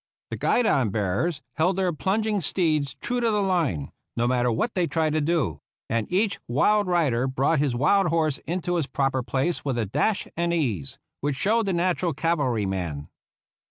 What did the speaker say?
The guidon bearers held their plunging steeds true to the line, no matter what they tried to do ; and each wild rider brought his wild horse into his proper place with a dash and ease which showed the natural cavalryman.